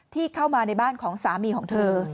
ที่เข้ามาในบ้านของสามีของเธอ